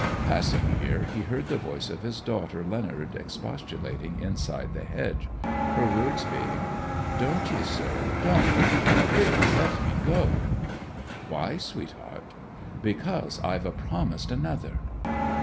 Passing here, he heard the voice of his daughter Leonard expostulating inside the hedge, her words being: 'Don't ye, sir; don't! I prithee let me go!' 'Why, sweetheart?' 'Because I've a promised another!'